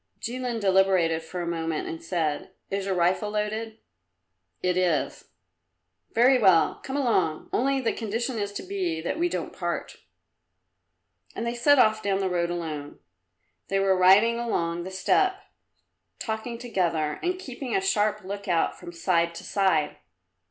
Jilin deliberated for a moment and said, "Is your rifle loaded?" "It is." "Very well; come along. Only the condition is to be that we don't part." And they set off down the road alone. They were riding along the steppe talking together and keeping a sharp look out from side to side.